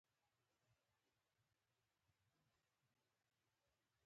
اصلي تېروتنه تېروتنه کول نه دي.